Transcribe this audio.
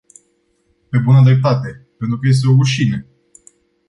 Pe bună dreptate, pentru că este o rușine!